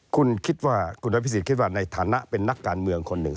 คุณคิดว่าคุณอภิษฎคิดว่าในฐานะเป็นนักการเมืองคนหนึ่ง